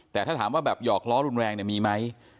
แต่ถ้าถามว่าแบบหยอกล้อรุนแรงเนี่ยมีไหม